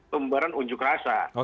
pembubaran unjuk rasa